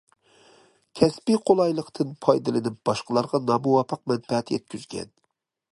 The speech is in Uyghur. كەسپىي قولايلىقتىن پايدىلىنىپ باشقىلارغا نامۇۋاپىق مەنپەئەت يەتكۈزگەن.